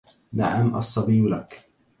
نعم، الصّبيّ لك.